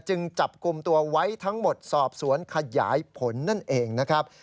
จับกลุ่มตัวไว้ทั้งหมดสอบสวนขยายผลนั่นเองนะครับ